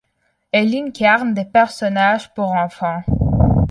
Elle incarne des personnages pour enfants.